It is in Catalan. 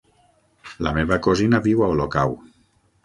La meva cosina viu a Olocau.